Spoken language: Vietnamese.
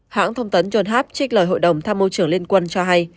hãng thông tấn john hab trích lời hội đồng tham mưu trưởng liên quân cho hay